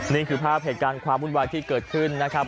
นี่คือภาพเหตุการณ์ความวุ่นวายที่เกิดขึ้นนะครับ